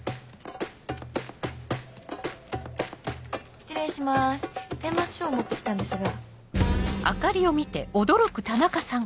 失礼します顛末書を持ってきたんですが。